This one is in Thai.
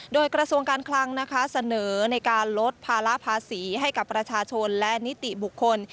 โดยกระทรวงการคลังนะคะเสนอในการลดภาระภาษีให้กับประชาชนและนิติบุคคล